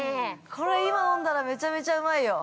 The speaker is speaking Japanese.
◆これ、今飲んだらめちゃめちゃうまいよ。